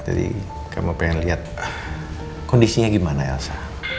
jadi kami mau liat kondisinya gimana elsa